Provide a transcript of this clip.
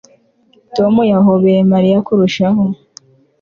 Tom yahobeye Mariya kurushaho